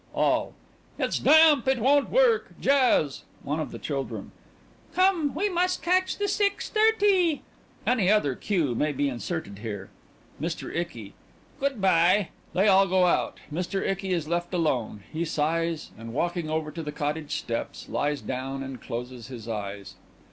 ALL: It's damp! It won't work! Jazz! ONE OF THE CHILDREN: Come, we must catch the six thirty. (Any other cue may be inserted here.) MR. ICKY: Good by.... (_ They all go out._ MR. ICKY _is left alone. He sighs and walking over to the cottage steps, lies down, and closes his eyes.